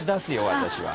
私は。